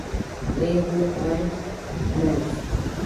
The Ghost and Mrs.